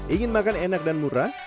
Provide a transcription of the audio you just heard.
ingin makan enak dan murah